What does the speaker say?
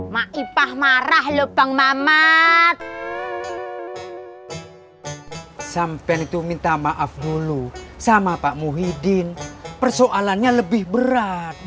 makipah marah lubang mamat sampen itu minta maaf dulu sama pak muhyiddin persoalannya lebih berat